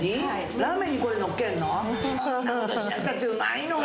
ラーメンにこれのっけんの？